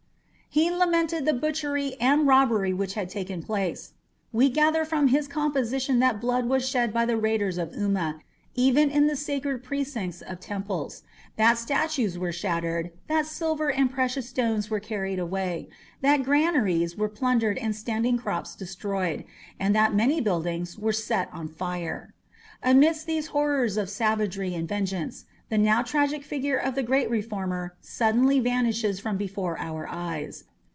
He lamented the butchery and robbery which had taken place. We gather from his composition that blood was shed by the raiders of Umma even in the sacred precincts of temples, that statues were shattered, that silver and precious stones were carried away, that granaries were plundered and standing crops destroyed, and that many buildings were set on fire. Amidst these horrors of savagery and vengeance, the now tragic figure of the great reformer suddenly vanishes from before our eyes.